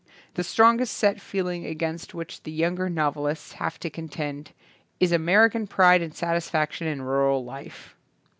The strongest set feeling against which the younger novelists have to contend, is American pride and satisfaction in rural life.